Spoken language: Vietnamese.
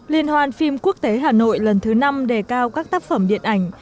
liên hoan phim quốc tế hà nội lần thứ năm đề cao các tác phẩm điện ảnh